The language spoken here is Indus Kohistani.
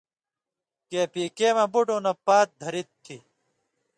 کے پی کے مہ بٹوں نہ پات دھری تھی۔